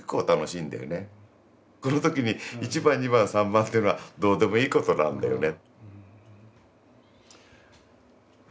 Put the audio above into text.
この時に１番２番３番っていうのはどうでもいいことなんだよね。